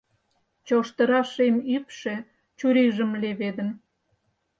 Чоштыра шем ӱпшӧ чурийжым леведын.